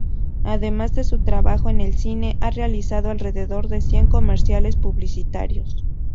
Además de su trabajo en el cine, ha realizado alrededor de cien comerciales publicitarios.